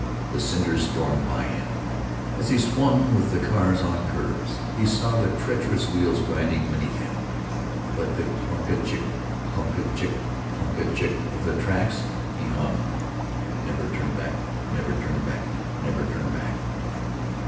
The cinders stormed by him. As he swung with the cars, on curves, he saw the treacherous wheels grinding beneath him. But to the chuck a chuck, chuck a chuck, chuck a chuck of the trucks he hummed, "Never turn back, never tur' back, never tur' back."